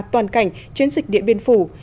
toàn cảnh chiến dịch điện biên phủ